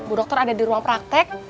bu dokter ada di ruang praktek